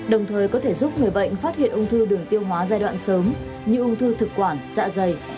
đồng thời có thể giúp người bệnh phát hiện ung thư đường tiêu hóa giai đoạn sớm như ung thư thực quản dạ dày